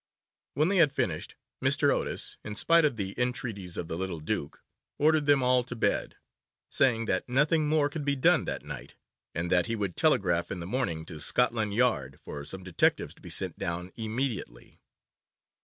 When they had finished, Mr. Otis, in spite of the entreaties of the little Duke, ordered them all to bed, saying that nothing more could be done that night, and that he would telegraph in the morning to Scotland Yard for some detectives to be sent down immediately.